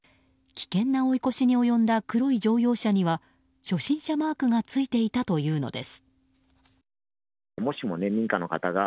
危険な追い越しに及んだ黒い乗用車には初心者マークがついていたというのです。